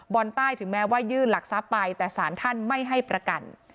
ใต้ถึงแม้ว่ายื่นหลักทรัพย์ไปแต่สารท่านไม่ให้ประกัน